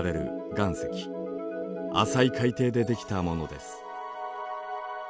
浅い海底でできたものです。